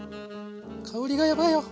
香りがヤバいよ！